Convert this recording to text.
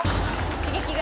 刺激が？